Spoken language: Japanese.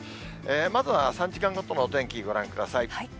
まずは３時間ごとのお天気、ご覧ください。